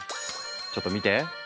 ちょっと見て！